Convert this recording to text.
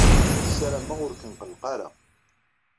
Ssarameɣ ur k-nqelleq ara.